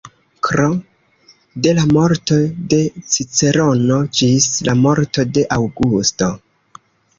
Kr., de la morto de Cicerono ĝis la morto de Aŭgusto.